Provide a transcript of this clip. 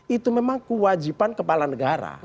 itu memang kewajiban kepala negara